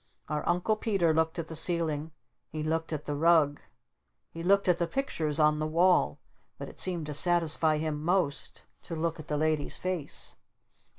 Our Uncle Peter looked at the ceiling. He looked at the rug. He looked at the pictures on the wall. But it seemed to satisfy him most to look at the Lady's face.